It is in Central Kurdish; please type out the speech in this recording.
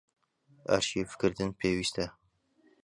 ئەرشیڤکردن پێویستە.